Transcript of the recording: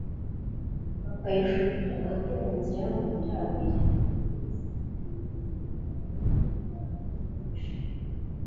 bakayijugunya hagati mu nzira y’amayirabiri, uyirenze akaba ariwe ukukana ibyo gupfusha inka